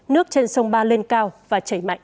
nước trên sông ba lên cao và chảy mạnh